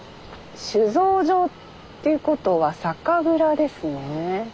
酒造場っていうことは酒蔵ですね。